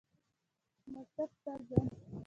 مکتب ته ځم.